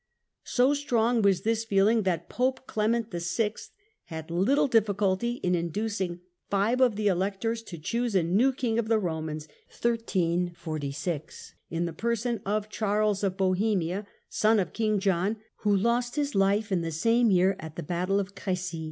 So strong was this feeling, that Pope Clement VI. had Election of little difficulty in inducing five of the Electors to choose IV., 1346 a new King of the Romans, in the person of Charles c^ Bohemia, son of King John, who lost his life in the same year at the battle of Cre9y.